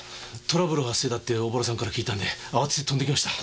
トラブル発生だって大洞さんから聞いたんで慌てて飛んできました。